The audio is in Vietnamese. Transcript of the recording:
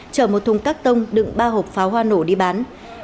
chở một thùng các tông đựng ba hộp pháo hoa nổ đi bán